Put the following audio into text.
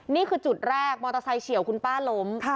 นี่คือจุดแรกมอเตอร์ไซค์เฉียวคุณป้าล้ม